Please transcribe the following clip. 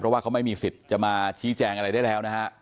เพราะว่าเขาไม่มีสิทธิ์จะมาชี้แจงอะไรได้แล้วนะฮะ